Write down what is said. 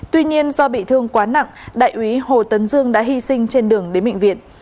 tuy nhiên do bị thương quá nặng đại úy hồ tấn dương đã hy sinh trên đường đến bệnh viện